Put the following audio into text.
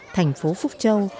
thành phố phúc châu